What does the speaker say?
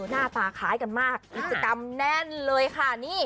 หน้าตาคล้ายกันมากกิจกรรมแน่นเลยค่ะนี่